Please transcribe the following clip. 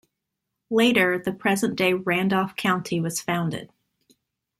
Later, the present-day Randolph County was founded.